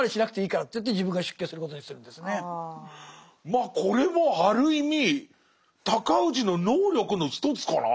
まあこれもある意味尊氏の能力の一つかな。